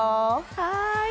はい。